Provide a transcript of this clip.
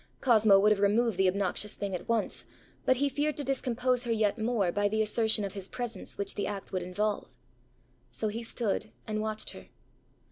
Cosmo would have removed the obnoxious thing at once, but he feared to discompose her yet more by the assertion of his presence which the act would involve. So he stood and watched her.